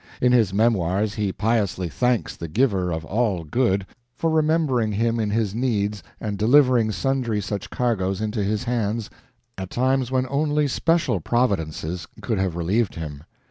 In his memoirs he piously thanks the Giver of all Good for remembering him in his needs and delivering sundry such cargoes into his hands at times when only special providences could have relieved him.